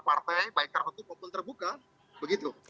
partai baik atau hukum pun terbuka begitu